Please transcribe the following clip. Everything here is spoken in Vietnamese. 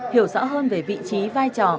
hiểu rõ hơn về vị trí vai trò